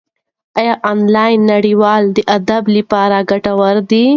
ایا انلاین نړۍ د ادب لپاره ګټوره ده؟